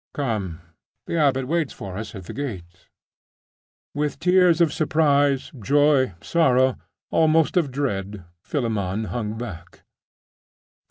Come; the abbot waits for us at the gate.' With tears of surprise, joy, sorrow, almost of dread, Philammon hung back.